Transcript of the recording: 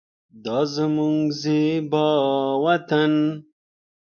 دا زمونږ زیبا وطن